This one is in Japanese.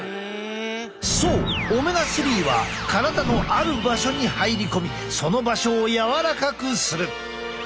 そうオメガ３は体のある場所に入り込みその場所を柔らかくする。